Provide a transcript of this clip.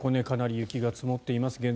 かなり雪が積もっています。